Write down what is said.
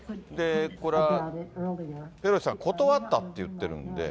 これはペロシさん、断ったって言ってるんで。